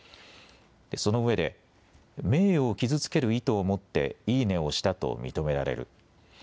そのうえで名誉を傷つける意図を持っていいねを押したと認められる。